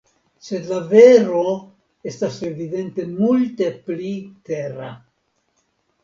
Sed la vero estas evidente multe pli tera.